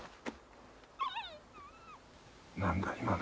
何だ今の。